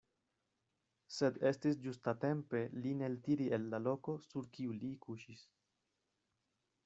Sed estis ĝustatempe lin eltiri el la loko, sur kiu li kuŝis.